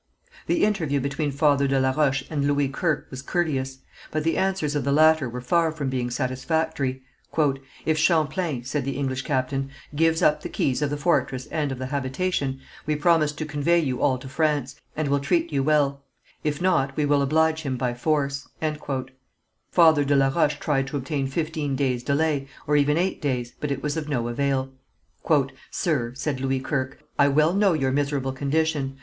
The interview between Father de la Roche and Louis Kirke was courteous, but the answers of the latter were far from being satisfactory. "If Champlain," said the English captain, "gives up the keys of the fortress and of the habitation we promise to convey you all to France, and will treat you well; if not we will oblige him by force." Father de la Roche tried to obtain fifteen days' delay, or even eight days, but it was of no avail. "Sir," said Louis Kirke, "I well know your miserable condition.